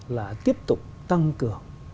là tiếp tục tăng cửa